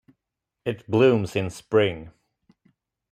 It blooms in spring.